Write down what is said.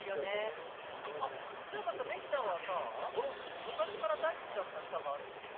あっそういえばさめっちゃんはさ昔から大好きだった歌があるんでしょ？